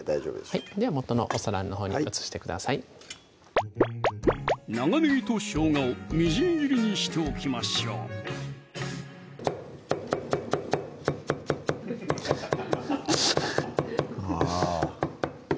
はいでは元のお皿のほうに移してください長ねぎとしょうがをみじん切りにしておきましょうあぁ